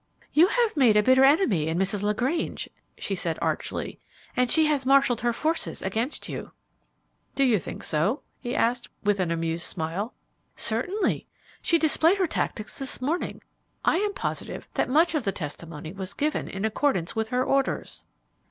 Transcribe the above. "You have made a bitter enemy in Mrs. LaGrange," she said, archly; "and she has marshalled her forces against you." "Do you think so?" he asked, with an amused smile. "Certainly. She displayed her tactics this morning. I am positive that much of the testimony was given in accordance with her orders."